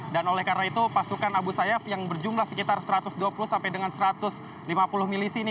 dan oleh karena itu pasukan abu sayyaf yang berjumlah sekitar satu ratus dua puluh sampai dengan satu ratus lima puluh milisi ini